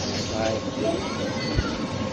Sseqɛed tiɣimit-nnek.